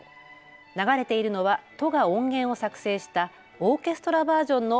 流れているのは都が音源を作成したオーケストラバージョンの